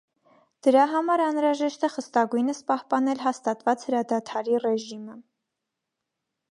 Դրա համար անհրաժեշտ է խստագույնս պահպանել հաստատված հրադադարի ռեժիմը։